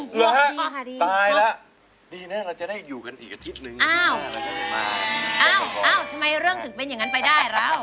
เหรอฮะตายแล้วดีนะเราจะได้อยู่กันอีกอาทิตย์นึงทำไมเรื่องถึงเป็นอย่างนั้นไปได้แล้ว